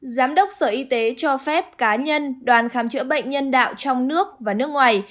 giám đốc sở y tế cho phép cá nhân đoàn khám chữa bệnh nhân đạo trong nước và nước ngoài